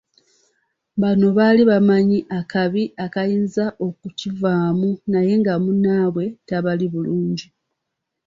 Bonna baali bamanyi akabi akayinza okukivaamu naye nga munnaabwe tabali bulungi.